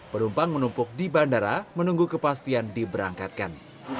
penumpang menumpuk di bandara menunggu kepastian diberangkatkan